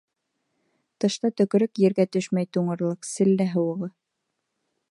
Тышта төкөрөк ергә төшмәй туңырлыҡ селлә һыуығы.